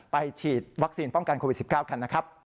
ฉีดวัคซีนป้องกันโควิด๑๙กันนะครับ